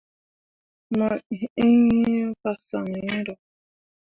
Mo iŋ ye fasaŋ iŋro.